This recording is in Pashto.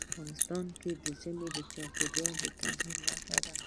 افغانستان کې ژمی د چاپېریال د تغیر نښه ده.